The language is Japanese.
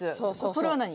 それは何？